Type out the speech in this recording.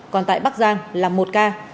còn tại bắc giang là một ca